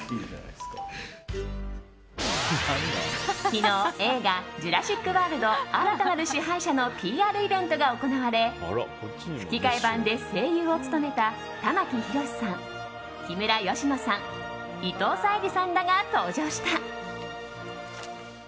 昨日、映画「ジュラシック・ワールド／新たなる支配者」のＰＲイベントが行われ吹き替え版で声優を務めた玉木宏さん、木村佳乃さん伊藤沙莉さんらが登場した。